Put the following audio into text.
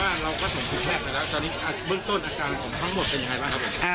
ตอนนี้เบื้องต้นอาการของทั้งหมดเป็นอย่างไรบ้างครับ